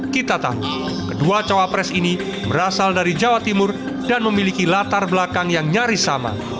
kita tahu kedua cawapres ini berasal dari jawa timur dan memiliki latar belakang yang nyaris sama